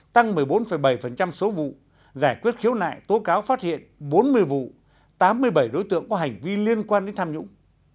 tăng một mươi bốn bảy số vụ giải quyết khiếu nại tố cáo phát hiện bốn mươi vụ tám mươi bảy đối tượng có hành vi liên quan đến tham nhũng